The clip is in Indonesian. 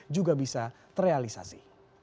juga bisa terrealisasi